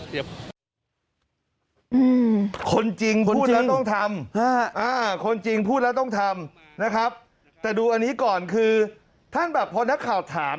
คนจริงคนพูดแล้วต้องทำคนจริงพูดแล้วต้องทำนะครับแต่ดูอันนี้ก่อนคือท่านแบบพอนักข่าวถาม